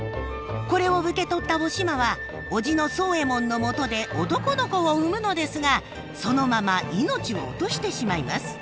これを受け取ったおしまは叔父の宗右衛門のもとで男の子を産むのですがそのまま命を落としてしまいます。